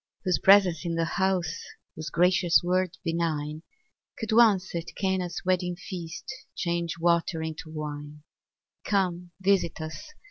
whose presence in the house, Whose gracious word benign, Could once, at Cana's wedding feast, Change water into wine; Come, visit us!